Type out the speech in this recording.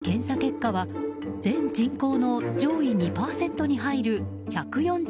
検査結果は全人口の上位２％に入る１４１。